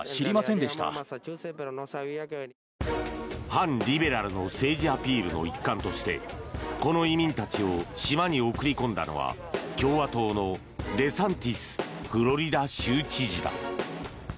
反リベラルの政治アピールの一環としてこの移民たちを島に送り込んだのは共和党のデサンティスフロリダ州知事だ。